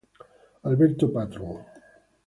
Alberto Patron.